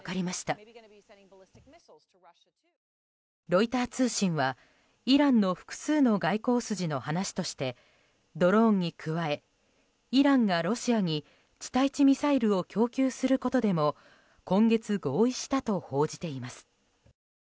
ロイター通信はイランの複数の外交筋の話としてドローンに加えイランがロシアに地対地ミサイルを供給することでも今月、合意したと報じています。